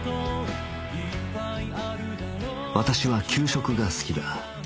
私は給食が好きだ